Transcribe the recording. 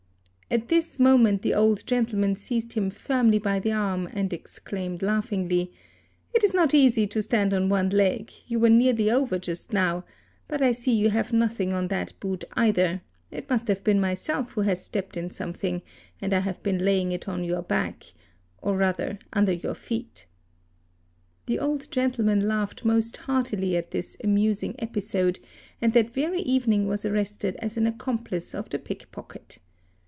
At this moment the old gentleman seized him firmly by the arm and exclaimed laughingly "It is not easy to stand on one leg, you were nearly over just now; but I see you have nothing on that boot either; it must have been myself who has stepped in something and I have been laying it on your back—or rather under your feet!" The old gentleman laughed most heartily at this "'amusing episode ~ and that very evening was arrested as an accomplice of the pickpocket.